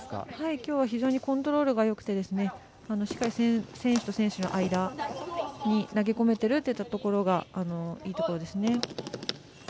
きょうは非常にコントロールがよくてしっかり、選手と選手の間に投げ込めているというところがいいところですね。